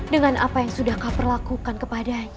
dengan apa yang sudah kau perlakukan kepadanya